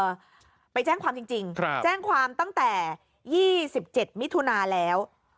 ไปแจ้งความจริงแจ้งความตั้งแต่๒๗มิถุนาแล้ว